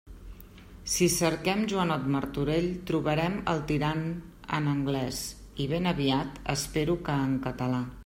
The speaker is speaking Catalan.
Si cerquem “Joanot Martorell” trobaren el Tirant en anglès, i ben aviat, espero que en català.